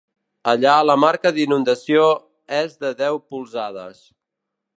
Allà la marca d'inundació és de deu polzades.